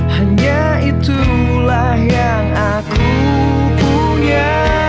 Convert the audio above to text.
hanya itulah yang aku punya